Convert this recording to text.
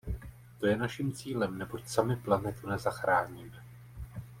To je naším cílem, neboť sami planetu nezachráníme.